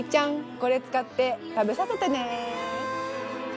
これ使って食べさせてね。